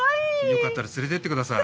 よかったら連れてってください。